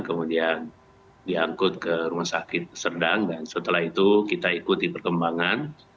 kemudian diangkut ke rumah sakit serdang dan setelah itu kita ikuti perkembangan